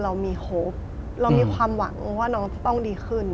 เรามีครบเรามีความหวังว่าน้องจะต้องดีขึ้น